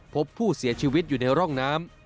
พบผู้เสียชีวิตอยู่ในร่องน้ำ